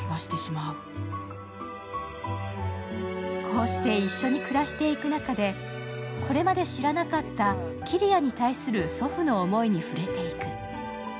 こうして一緒に暮らしていく中で、これまで知らなかった桐矢に対する祖父の思いに触れていく。